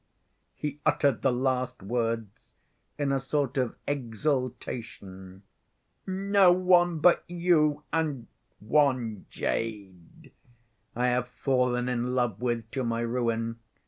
He uttered the last words in a sort of exaltation. "No one but you and one 'jade' I have fallen in love with, to my ruin.